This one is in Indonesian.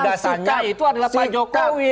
dasarnya itu adalah pak jokowi